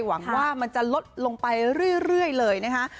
หวังว่ามันจะลดลงไปเรื่อยเลยนะคะ